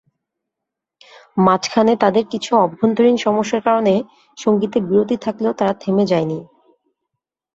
মাঝখানে তাদের কিছু অভ্যন্তরীণ সমস্যার কারণে সংগীতে বিরতি থাকলেও তারা থেমে যায়নি।